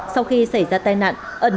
sau khi xảy ra tai nạn ẩn